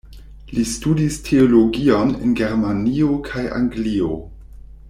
Li studis teologion en Germanio kaj Anglio.